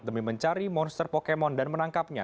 demi mencari monster pokemon dan menangkapnya